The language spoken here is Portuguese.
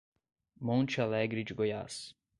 Monte Alegre de Goiás